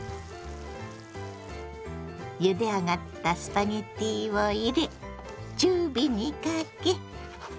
ゆで上がったスパゲッティを入れ中火にかけ。